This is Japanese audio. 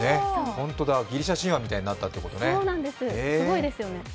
ギリシャ神話みたいになったということね。